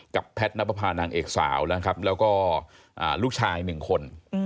กับแพทนัพพานางเอกสาวแล้วก็ลูกชายหนึ่งคน